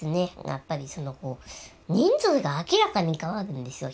やっぱり人数が明らかに変わるんですよ